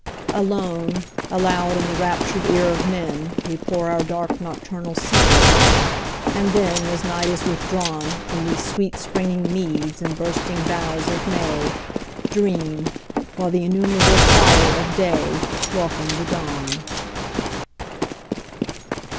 Alone, aloud in the raptured ear of men We pour our dark nocturnal secret; and then, As night is withdrawn 15 From these sweet springing meads and bursting boughs of May, Dream, while the innumerable choir of day Welcome the dawn.